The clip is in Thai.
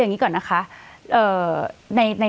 เอางี้ก่อนนะคะ